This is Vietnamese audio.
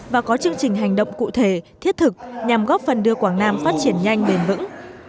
và có chương trình hành động cụ thể thiết thực nhằm góp phần đưa quảng nam phát triển nhanh bền vững